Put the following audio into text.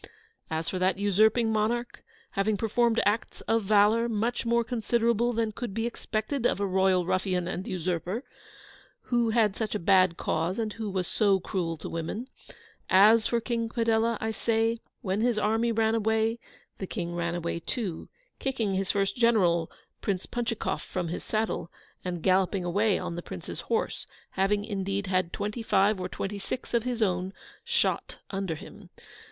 As for that usurping monarch, having performed acts of velour much more considerable than could be expected of a royal ruffian and usurper, who had such a bad cause, and who was so cruel to women, as for King Padella, I say, when his army ran away, the King ran away too, kicking his first general, Prince Punchikoff, from his saddle, and galloping away on the Prince's horse, having, indeed, had twenty five or twenty six of his own shot under him.